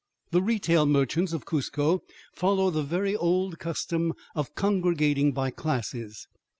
The retail merchants of Cuzco follow the very old custom of congregating by classes.